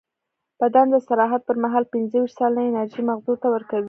بدن د استراحت پر مهال پینځهویشت سلنه انرژي مغزو ته ورکوي.